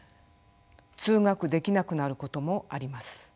通学できなくなることもあります。